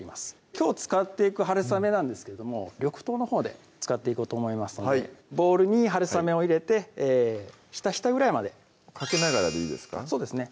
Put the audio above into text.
きょう使っていくはるさめなんですけども緑豆のほうで使っていこうと思いますのでボウルにはるさめを入れてひたひたぐらいまでかけながらでいいですか？